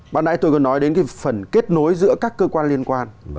bạn nãy tôi còn nói đến cái phần kết nối giữa các cơ quan liên quan